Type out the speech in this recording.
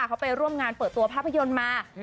เขาไปร่วมงานเปิดตัวภาพยนตร์มา